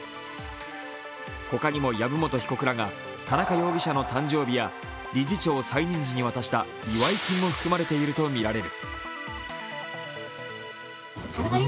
他にも籔本被告らが田中容疑者の誕生日や理事長再任時に渡した祝い金も含まれているとみられる。